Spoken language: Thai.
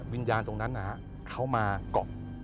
วิญญาณตรงนั้นเขามาเกาะ